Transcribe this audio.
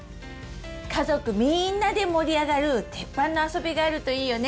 家族みんなで盛り上がるテッパンのあそびがあるといいよね！